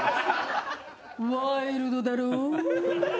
ワイルドだろぉ？